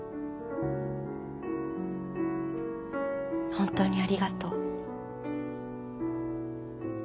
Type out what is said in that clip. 本当にありがとう。